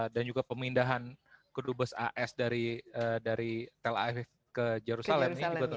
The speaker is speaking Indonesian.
juga pemindahan kedubes as dari tel aviv ke jerusalem